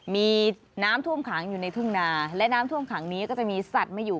มีน้ำท่วมขังอยู่ในทุ่งนาและน้ำท่วมขังนี้ก็จะมีสัตว์มาอยู่